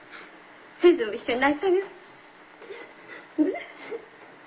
先生も一緒に泣いたげよ。